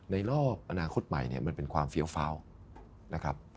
ในรอบอนาคตใหม่เนี่ยมันเป็นความเฟี้ยวฟ้าวนะครับ